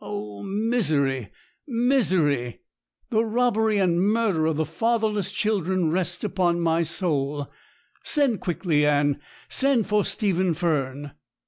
Oh, misery, misery! The robbery and murder of the fatherless children rest upon my soul. Send quickly, Anne, send for Stephen Fern.'